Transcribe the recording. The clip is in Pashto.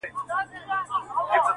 زما پر لاره برابر راسره مه ځه.!